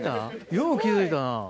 よう気付いたな。